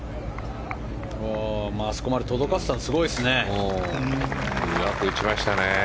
あそこまで届かせたのはすごいですね。